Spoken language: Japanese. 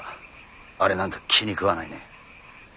あれなんざ気に食わないね。